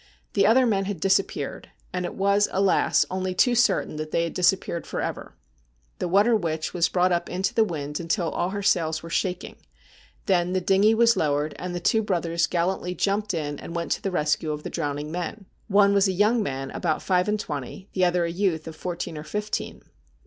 The other men had disappeared, and it was, alas ! only too certain that they had disappeared for ever. The ' Water Witch ' was brought up into the wind until all her sails were shaking. Then the dingey was lowered, and the two brothers gallantly jumped in, and went to the rescue of the drowning men. One was a young man about five and twenty, the other a youth of fourteen or fifteen.